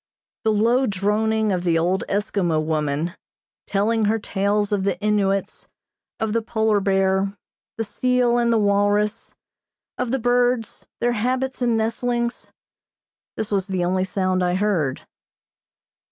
The low droning of the old Eskimo woman, telling her tales of the Innuits, of the Polar bear, the seal and the walrus, of the birds, their habits and nestlings; this was the only sound I heard.